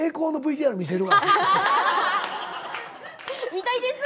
見たいです。